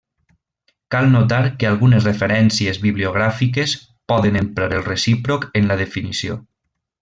Cal notar que algunes referències bibliogràfiques poden emprar el recíproc en la definició.